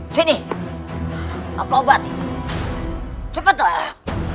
sini aku obat cepet lah